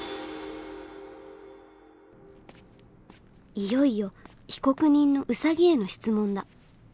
いよいよ被告人のウサギへの質問だ。